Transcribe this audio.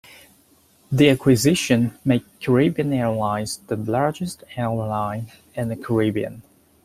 The acquisition made Caribbean Airlines the largest airline in the Caribbean.